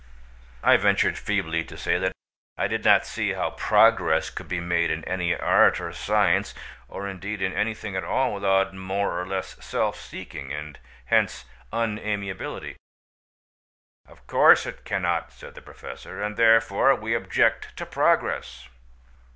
I ventured feebly to say that I did not see how progress could be made in any art or science, or indeed in anything at all, without more or less self seeking, and hence unamiability. "Of course it cannot," said the Professor, "and therefore we object to progress."